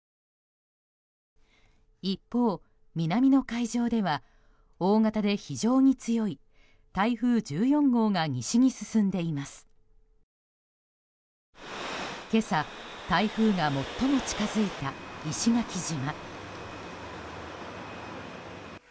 一方、南の海上では大型で非常に強い台風１４号が西に進んでいます。今朝、台風が最も近づいた石垣島。